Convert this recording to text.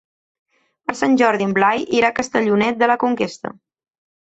Per Sant Jordi en Blai irà a Castellonet de la Conquesta.